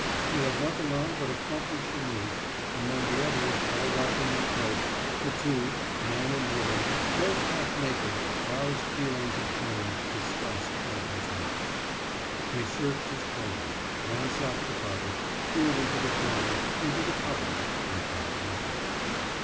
She had nothing on but a crumpled chemise; among the others, all wrapped in their cloaks, the two, man and woman, both half naked, roused feelings of shame, disgust, and contempt. They searched his clothing, ransacked the carpet, peered into the corners, into the cupboard, and found nothing.